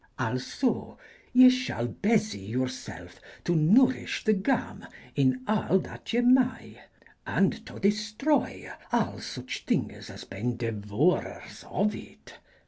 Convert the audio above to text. Also ye shall besye yourselfe to nouryssh the game in all that ye maye: & to dystroye all such thynges as ben devourers of it.